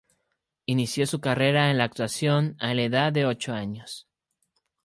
Inició su carrera en la actuación a la edad de ocho años.